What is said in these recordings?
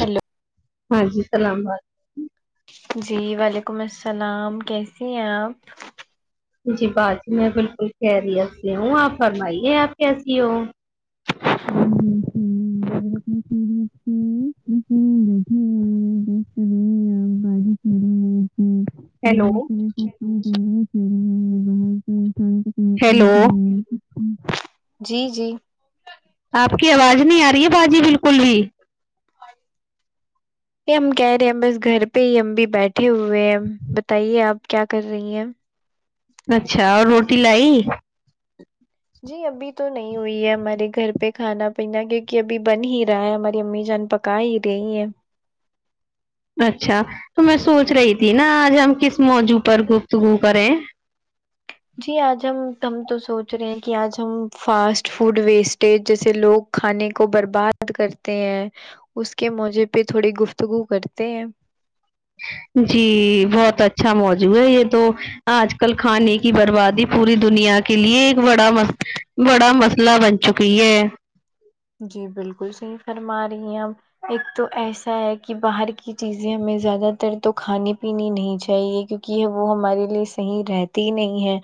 hello ہاں جی سلام [unintelligible] جی وعلیکم السلام کیسی ہیں آپ جی باجی میں بالکل خیریت سے ہوں آپ فرمائیے آپ کیسی ہو [unintelligible] ہیلو [unintelligible] ہیلو جی جی آپ کی آواز نہیں آ رہی ہے باجی بالکل بھی یہ ہم کہہ رہے ہیں بس گھر پہ ہی ہم بھی بیٹھے ہوئے ہیں بتائیے آپ کیا کر رہی ہیں اچھا اور روٹی لائی جی ابھی تو نہیں ہوئی ہے ہمارے گھر پہ کھانا پینا کیوںکہ ابھی بن ہی رہا ہے ہماری امی جان پک کائی ہی رہی ہیں اچھا تو میں سوچ رہی تھی نا آج ہم کس موضوع پر گفتگو کریں جی آج ہم ت ہم تو سوچ رہے ہیں کہ آج ہم فاسٹ فوڈ ویسٹیج جیسے لوگ کھانے کو برباد کرتے ہیں اس کے موضوع پہ تھوڑی گفتگو کرتے ہیں جی بہت اچھا موضوع ہے یہ تو آج کل کھانے کی بربادی پوری دنیا کے لیے ایک بڑا م بڑا مسلہ بن چکی ہے جی بالکل صحیح فرما رہی ہیں اب ایک تو ایسا ہے کہ باہر کی چیزیں ہم زیادہ تر تو کھانے پینی نہیں چاہیے کیونکہ یہ وہ ہمارے لیے صحیح رہتی ہی نہیں ہے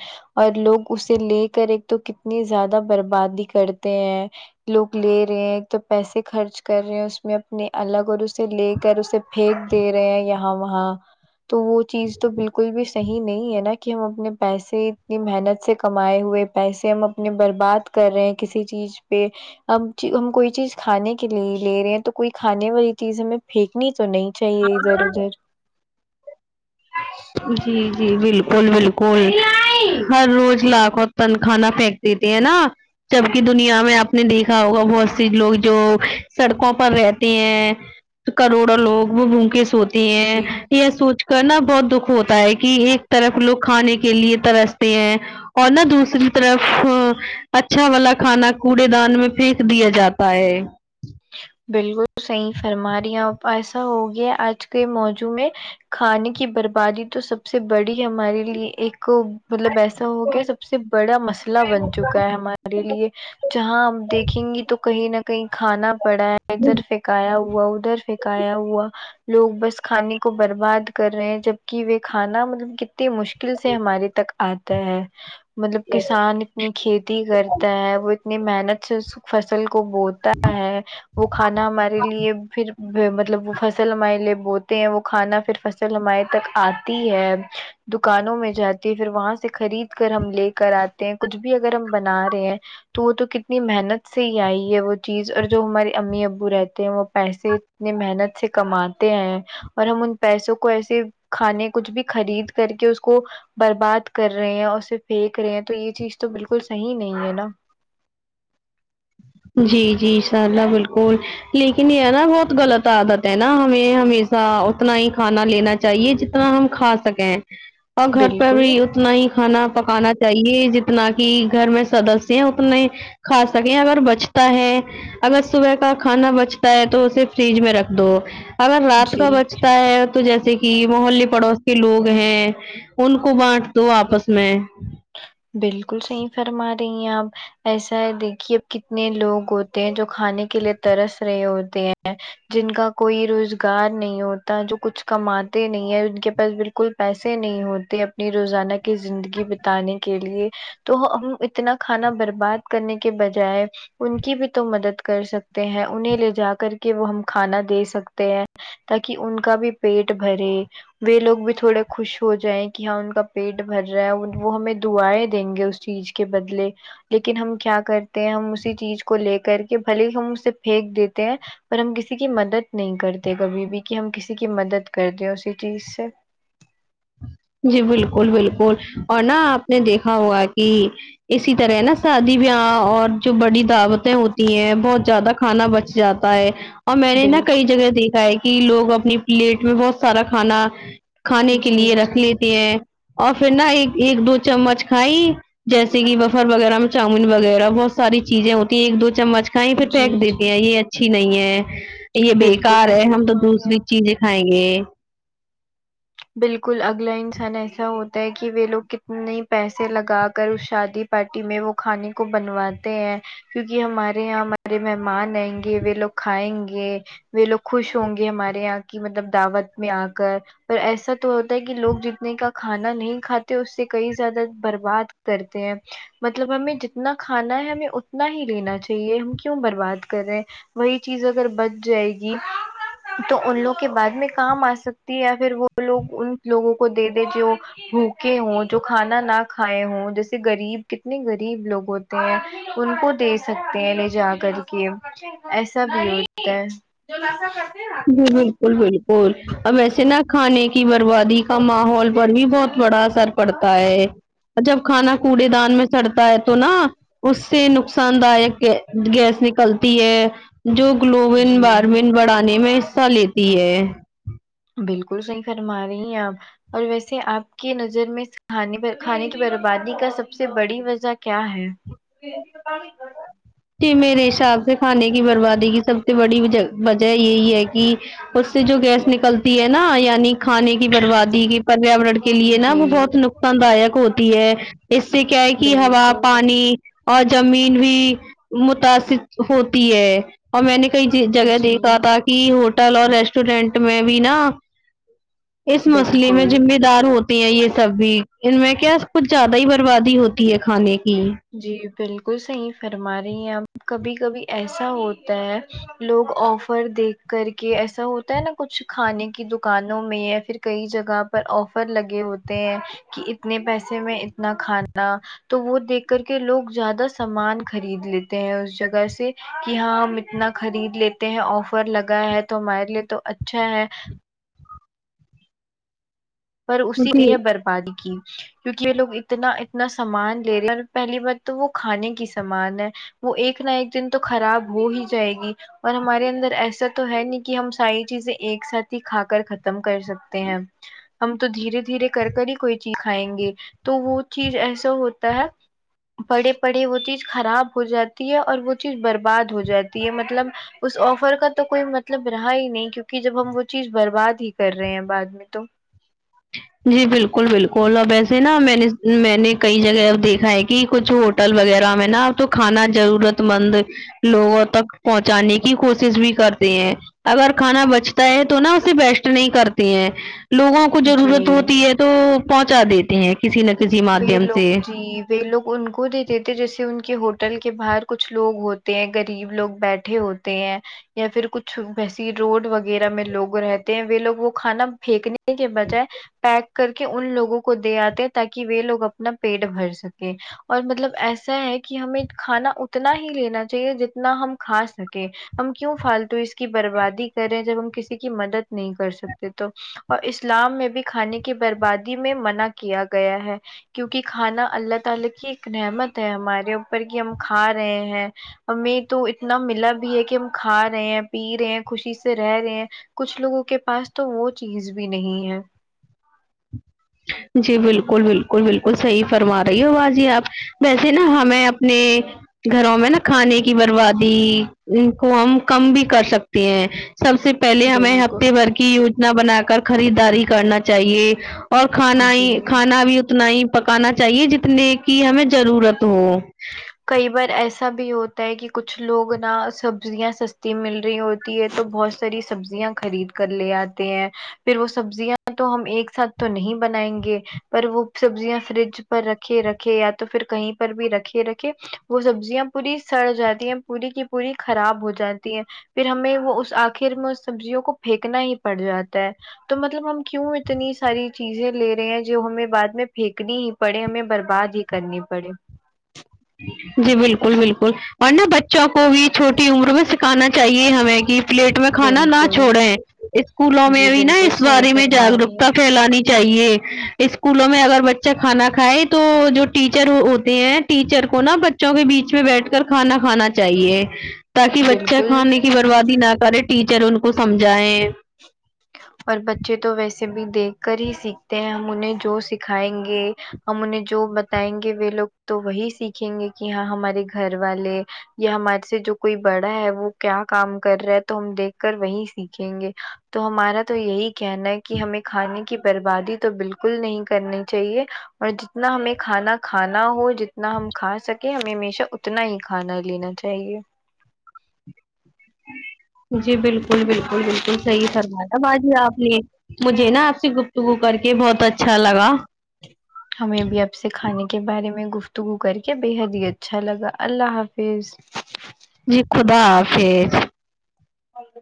اور لوگ اسے لے کر ایک تو کتنی زیادہ بربادی کرتے ہیں لوگ لے رہے ہیں ایک تو پیسے خرچ کر رہے ہیں اس میں اپنے الگ اور اسے لے کر اسے پھینک دے رہے ہیں یہاں وہاں تو وہ چیز تو بال کل بھی صحیح نہیں ہے نا کہ ہم اپنے پیسے اتنی محنت سے کمائے ہوئے پیسے ہم اپنے برباد کر رہے ہیں کسی چیز پہ اب ہم کوئی چیز کھانے کے لیے ہی لے رہے ہیں تو کوئی کھانے والی چیز ہمیں پھینکنی تو نہیں چاہیے ادھر ادھر جی جی بالکل بالکل ہر روز لاکھو اپن کھانا پھینک دیتے ہیں نا جبک دنیا میں آپ نے دیکھا ہوگا بہت سی لوگ جو سڑکوں پر رہتے ہیں کروڑوں لوگ وہ بھوکے سوتی ہیں جی یہ سوچ کر نا بہت دکھ ہوتا ہے کہ ایک طرف لوگ کھانے کے لیے ترستے ہیں اور نہ دوسری طرف اچھا والا کھانا کوڑے دان میں پھینک دیا جاتا ہے بالکل صحیح فرما رہی ہے اپ ایسا ہو گیا آج کے موضوع میں کھانے کی بربادی تو سب سے بڑی ہمارے لیے ایک مطلب ایسا ہو گیا سب سے بڑا مسئلہ بن چکا ہے ہمارا ہمارے لیے جہاں ہم دیکھیں گی تو کہیں نہ کہیں کھانا پڑا ہے ادھر پکایا ہوا ادھر پکایا ہوا لوگ بس کھانے کو برباد کر رہے ہیں جبک وہ کھانا مطلب تی مشکل سے ہماری تک آتا ہے مطلب کسان اتنی کھیتی کرتا ہے وہ اتنی محنت سے اس فصل کو بوتا ہے وہ کھانا ہمارے لیے پھر مطلب وہ فصل ہمارے لیے بوتے ہیں وہ کھانا پھر فصل ہمارے تک آتی ہے دکانوں میں جاتی ہے پھر وہاں سے خرید کر ہم لے کر آتے ہیں کچھ بھی اگر ہم بنا رہے ہیں تو وہ تو کتنی محنت سے ہی آئی ہے وہ چیز اور جو ہماری امی ابو رہتے ہیں وہ پیسے اتنے محنت سے کما تے ہیں اور ہم ان پیسوں کو ایسے کھانے کچھ بھی خرید کر کے اس کو برباد کر رہے ہیں اسے پھینک رہے ہیں تو یہ چیز تو بالکل صحیح نہیں ہے نا جی جی ان شاء اللہ بالکل لیکن یہ ہے نا بہت غلط عادت ہے نا ہمیں ہمیش ا اتنا ہی کھانا لینا چاہیے جتنا ہم کھا سکیں اور گھر پر بالکل بھی اتنا ہی کھانا پکانا چاہیے جتنا کہ گھر میں سدسیہ ہے اتنے کھا سکیں اگر بچ اگر صبح کا کھانا بچتا ہے تو اسے فریج میں رکھ دو اگر رات کا جی بچتا ہے تو جیسے کہ محلے پڑوس کے لوگ ہیں ان کو بانٹ دو آپس میں بالکل صحیح فرما رہی ہیں آپ ایسا ہے دیکھی اب کتنے لوگ ہوتے ہیں جو کھانے کے لیے ترس رہے ہوتے ہیں جن کا کوئی روزگار نہیں ہوتا جو کچھ کماتے نہیں ہے ان کے پاس بال کل پیسے نہیں ہوتے اپنی روزانہ کی زندگی بتانے کے لیے تو ہم اتنا کھانا برباد کرنے کے بجائے ان کی بھی تو مدد کر سکتے ہیں انہیں لے جا کر کے وہ ہم کھانا دے سکتے ہیں تاکہ ان کا بھی پیٹ بھرے وہ لوگ بھی تھوڑے خوش ہو جائیں کہ ہاں ان کا پیٹ بھر رہا ہے وہ ہمیں دعایں دیں گے اس چیز کے بدلے لیکن ہم کیا کرتے ہیں ہم اسی چیز کو لے کر کے بھلے ہی ہم اسے پھینک دیتے ہیں پر ہم کسی کی مدد نہیں کرتے کبھی بھی کہ ہم کسی کی مدد کرتے ہیں اسی چیز سے جی بالکل بالکل اور نہ آپ نے دیکھا ہوگا کہ اسی طرح نا شادی بیاہ اور جو بڑی دعوتیں ہوتی ہیں بہت زیادہ کھانا بچ جاتا پا ۓ اور میں نے نا بالکل کئی جگہ دیکھا ہے کہ لوگ اپنی پلیٹ میں بہت سارا کھانا کھانے کے جی لیے رکھ لیتی جی ہیں اور پھر نہ ایک ایک دو چمچ کھائی جیسے کہ بفر وغیرہ میں چاؤمین وغیرہ بہت ساری چیزیں ہوتی ہیں ایک دو چمچ کا کہیں پہ جی پھینک جی دیتی ہیں یہ اچھی نہیں ہے یہ بالکل بےکار صحیح ہے ہم تو فرما رہی ہیں آپ دوسری چیزیں کھا ینگے بالکل اگلا انسان ایسا ہوتا ہے کہ وھ لوگ کتنے پیسے لگا کر اس شادی پارٹی میں وہ کھانے کو بنواتے ہیں کیونکہ ہمارے یہاں ہمارے مہمان آئیں گے وہ لوگ کھائیں گے وہ لوگ خوش ہوں گے ہمارے یہاں کی مطلب دعوت میں آ کر پر ایسا تو ہوتا ہے کہ لوگ جتنے کا کھانا نہیں کھاتے اس سے کئی زیادہ برباد کرتے ہیں مطلب ہمیں جتنا کھانا ہے ہمیں اتنا ہی لینا چاہیے ہم کیوں برباد کر رہے ہیں وہی چیز اگر بچ جائے گی تو ان لوگوں کے بعد میں کام آ سکتی ہے پھر وہ لوگ ان لوگوں کو دے دے جو بھوکے ہوں جو کھانا نہ کھائے ہوں جیسے غریب کتنے غریب لوگ ہوتے ان کو دے سکتے ہیں لے جا کر کے ایسا بھی ہوتا ہے جو لسا کرتے نا جی بالکل بالکل اور اب ایسے نا کھانے کی بربادی کا ماحول پر بھی بہت بڑا اثر پڑتا ہے جب کھانا کوڑے دان میں چڑتا ہے تو نا اس سے نقصان دایک گیس نکلتی ہے جو گلوین جی باروین بڑھانے میں حصہ لیتی ہے بالکل صحیح فرما رہی آپ اور ویسے آپ کی نظر میں خانی بربادی کا سب سے بڑی وجہ کیا ہے پانی [unintelligible] جی میرے حساب سے کھانے کی بربادی کی سب سے بڑی وجہ یہی ہے کہ اس سے جو گیس نکلتی ہے نا یعنی کھانے بربادی کی پریاورن کے لیے نا وہ جی بہت نقصان دائک ہوتی ہے اس سے کیا ہے کہ ہوا بالکل پانی اور زمین بھی متاثر ہوتی ہے اور میں نے کئی ج جگہ جی دیکھا تھا کہ ہوٹل اور ریسٹورینٹ میں بھی نا اس مسلے میں بالکل ذمہ دارو ہوتی ہیں یہ سب بھی ان میں کیا کچھ زیادہ ہی بربادی ہوتی ہے کھانے کی جی بالکل صحیح فرما رہی ہیں اپ کبھی کبھی ایسا ہوتا ہے لوگ آفر دیکھ کر کے ایسا ہوتا ہے نا کچھ کھانے کی دکانوں میں یا پھر کئی جگہ پر آفر لگے ہوتے ہیں کہ اتنے پیسے میں اتنا کھانا تو وہ دیکھ کر کے لوگ زیادہ سامان خرید لیتے ہیں اس جگہ سے کہ ہاں ہم اتنا خرید لیتے تے ہیں آفر لگا ہے تو ہمارے لیے تو اچھا ہے پر اسی جی لیہ بر پانی کی کیونکہ یہ لوگ اتنا اتنا سامان لے رہے اور پہلی بار تو وہ کھانے کی سامان ہے وہ ایک نہ ایک دن تو خراب ہو ہی جائے گی اور ہمارے اندر ایسا تو ہے نہیں کہ ہم ساری چیزیں ایک ساتھ ہی کھا کر ختم کر سکتے ہیں ہم تو دھیرے دھیرے کر کر ہی کوئی چیز کھائیں گے تو وہ چیز ایسا ہوتا ہے پڑھے پڑھے وہ چیز خراب ہو جاتی ہے اور وہ چیز برباد ہو جاتی ہے مطلب اس آفر کا تو کوئی مطلب رہا ہی نہیں کیونکہ جب ہم وہ چیز برباد ہی کر رہے ہیں بعد میں تو جی بالکل بالکل کو نہ ویسے نا میں نے میں نے کئی جگہ اب دیکھا ہے کہ کچھ ہوٹل وغیرہ میں نا تو کھانا ضرورت مند لوگوں تک پہنچانے کی کوشش بھی کرتے ہیں اگر کھانا بچتا ہے تو نا اسے ویسٹ نہیں کرتی ہیں لوگوں کو ضرورت جی ہوتی ہے تو پہنچا دیتے ہیں کسی نہ کسی وہ مادھیم سے لوگ جی وہ لوگ ان کو دے دیتے جیسے ان کے ہوٹل کے باہر کچھ لوگ ہوتے ہیں غریب لوگ بیٹھے ہو تے ہیں یا پھر کچھ ویسی روڈ وغیرہ میں لوگ رہتے ہیں وہ لوگ وہ کھانا پھینکنے کے بجائے پیک کر کے ان لوگوں کو دے آتے تاکہ کہ وہ لوگ اپنا پیٹ بھر سکے اور مطلب ایسا ہے کہ ہمیں کھانا اتنا ہی لینا چاہیے جتنا ہم کھا سکیں ہم کیوں فالتو اس کی بربادی کرے جب ہم کسی کی مدد نہیں کر سکتے تو اور اسلام میں بھی کھانے کی بربادی میں منع کیا گیا ہے کیونکہ کھانا اللہ تعالی کی ایک نعمت ہے ہمارے اوپر کہ ہم کھا رہے ہیں ہمیں تو اتنا ملا بھی ہے کہ ہم کھا رہے ہیں پی رہے ہیں خوشی سے رہ رہے ہیں کچھ لوگوں کے پاس تو وہ چیز بھی نہیں ہے جی بالکل بالکل بالکل صحیح فرما رہی ہو باجی آپ ویسے نا ہمیں اپنے گھروں میں نا کھانے کی بربادی ان کو ہم کم بھی کر سکتی ہیں سب سے پہلے ہمیں بالکل ہفتے بھر کی یوجنا بنا کر خریداری کرنا چاہیے اور کھانا ہی جی کھانا بھی اتنا ہی پکانا چاہیے جتنے کی ہمیں ضرورت ہو کئی بار ایسا بھی ہوتا ہے کہ کچھ لوگ نہ سبزیاں سستی مل رہی ہوتی تی ہے تو بہت ساری سبزیاں خرید کر لے آتے ہیں پھر وہ سبزیاں تو ہم ایک ساتھ تو نہیں بنائیں گے پر وہ سبزیاں فریج پر رکھے رکھے یا تو پھر کہیں پر بھی رکھے رکھے وہ سبزیاں پوری سڑ جاتی ہیں پوری کی پوری خراب ہو جاتی ہیں پھر ہمیں وہ اس آخر میں سبزیوں کو پھینکنا ہی پڑ جاتا ہے تو مطلب ہم کیوں اتنی ساری چیزیں لے رہے ہیں جو ہمیں بعد میں پھینکنی ہی پڑے ہمیں برباد ہی کرنی پڑے جی بالکل بالکل اور نہ بچوں کو بھی چھوٹی عمر میں سی کھنا چاہیے ہمیں کہ پلیٹ میں کھانا نہ بالکل چھوڑیں اسکولوں میں جی بھی نا بالکل اس صحیح بارے میں فرما رہی ہیں جاگروکتا آپ پھیلانی چاہیے اسکولوں میں اگر بچہ کھانا کھائے تو جو ٹیچر ہوتے ہیں ٹیچر کو نا بچوں کے بیچ میں بیٹھ کر کھانا کھانا چاہیے تاکہ بچے بالکل کھانے کی بربادی نہ کرے ٹیچر ان کو سمجھائے اور بچے تو ویسے بھی دیکھ کر ہی سیکھتے ہیں ہم انہیں جو سکھائیں گے ہم انہیں جو بتائیں گے وہ لوگ تو وہی سیکھیں گے کہ ہاں ہمارے گھر والے یا ہمارے سے جو کوئی بڑا ہے وہ کیا کام کر رہا ہے تو ہم دیکھ کر وہی سیکھیں گے تو ہمارا تو یہی کہنا ہے کہ ہمیں کھانے کی بربادی تو بالکل نہیں کرنی چاہیے اور جتنا ہمیں کھانا کھانا ہو جتنا ہم کھا سکے ہمیں ہمیشہ اتنا ہی کھانا لینا چاہیے جی بالکل بالکل بالکل صحیح فرمایا باجی آپ نے مجھے نا آپ سے گفتگو کر کے بہت اچھا لگا ہمیں بھی اپ سے کھانے کے بارے میں گفتگو کر کے بےحد ہی اچھا لگا اللہ حافظ [inaudible] جی خدا حافظ [inaudible]